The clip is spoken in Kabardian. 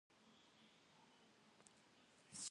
Khue dêle vui'eme guf'eğue pşiğaş'ekhım!